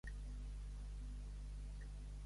La vida passada.